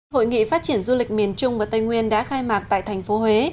hội nghị phát triển du lịch miền trung và tây nguyên đã khai mạc tại thành phố huế